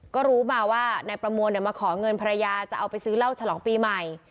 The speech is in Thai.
ก็รู้มาว่านายประมวลมาขอเงินภรรยาจะเอาไปซื้อเหล้าฉลองปีใหม่